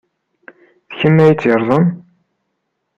D kemm ay t-yerẓan?